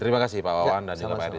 terima kasih pak wawan dan pak herdi